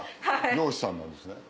漁師さんなんですね。